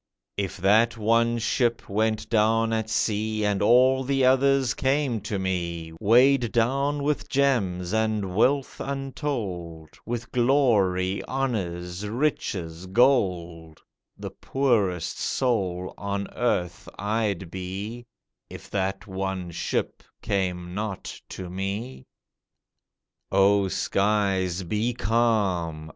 If that one ship went down at sea, And all the others came to me, Weighed down with gems and wealth untold, With glory, honours, riches, gold, The poorest soul on earth I'd be If that one ship came not to me. O skies, be calm!